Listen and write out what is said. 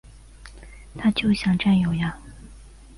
他就想占有呀